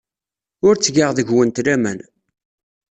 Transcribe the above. Ur ttgeɣ deg-went laman.